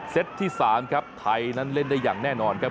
ที่๓ครับไทยนั้นเล่นได้อย่างแน่นอนครับ